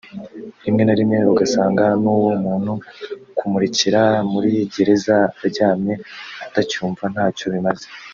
rimwe na rimwe ugasanga n’uwo muntu kumurekera muri gereza aryamye atacyumva ntacyo bimaze